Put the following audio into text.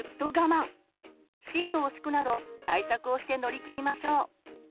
シートを敷くなど対策をして乗り切りましょう。